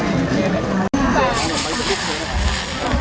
พระเจ้าข้าว